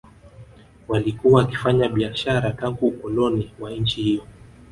Walikuwa wakifanya biashara tangu ukoloni wa nchi hiyo